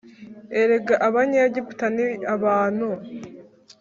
erega Abanyegiputa ni abantu